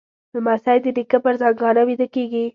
لمسی د نیکه پر زنګانه ویده کېږي.